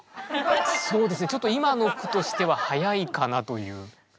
ちょっと今の句としては早いかなという。